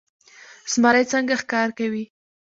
زمری څنګه ښکار کوي؟